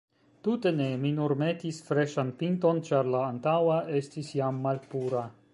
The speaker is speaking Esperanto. Tute ne, mi nur metis freŝan pinton, ĉar la antaŭa estis jam malpura.